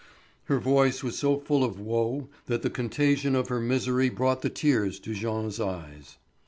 Her voice was so full of woe that the contagion of her misery brought the tears to Jean's eyes.